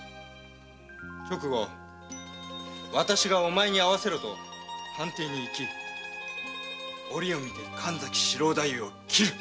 直後私が「お前に会わせろ」と藩邸に行き機を見て神崎四郎太夫を切る。